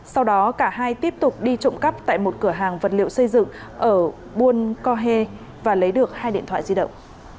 sau đó cả hai tiếp tục đi trộm cắp tại một cửa hàng vật liệu xây dựng ở buôn cohê và lấy được hai điện thoại di động